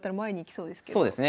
そうですね。